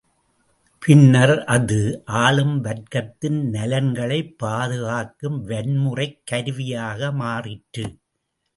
பின்னர் அது ஆளும் வர்க்கத்தின் நலன்களைப் பாதுகாக்கும் வன்முறைக் கருவியாக மாறிற்று.